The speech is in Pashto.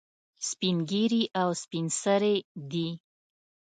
سپین ږیري او سپین سرې دي.